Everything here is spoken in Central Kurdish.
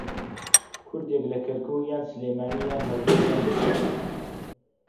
کوردێک لە کەرکووک یان سلێمانی یان هەولێر یان دهۆک